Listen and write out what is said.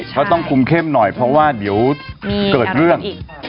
เขาต้องคุมเข้มหน่อยเพราะว่าเดี๋ยวเกิดเรื่อง